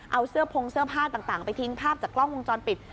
เอาเสื้อพงเสื้อผ้าต่างไปทิ้งภาพจากกล้องวงจรปิด